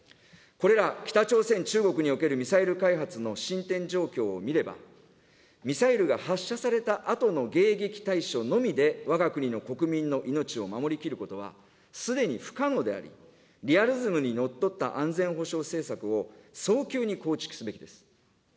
これら北朝鮮、中国におけるミサイル開発の進展状況を見れば、ミサイルが発射されたあとの迎撃対処のみでわが国の国民の命を守り切ることは、すでに不可能であり、リアリズムにのっとった安全保障政策を早急に構築すべきです。